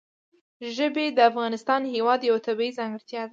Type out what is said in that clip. ژبې د افغانستان هېواد یوه طبیعي ځانګړتیا ده.